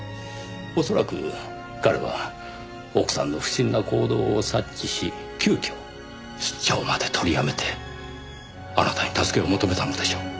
恐らく彼は奥さんの不審な行動を察知し急遽出張まで取りやめてあなたに助けを求めたのでしょう。